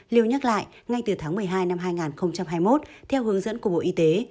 lưu nhắc lại ngay từ tháng một mươi hai năm hai nghìn hai mươi một theo hướng dẫn của bộ y tế